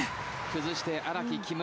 崩して荒木木村。